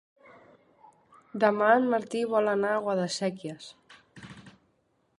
Demà en Martí vol anar a Guadasséquies.